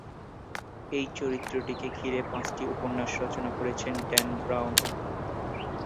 এই চরিত্রকে ঘিরে পাঁচটি উপন্যাস রচনা করেছেন ড্যান ব্রাউন।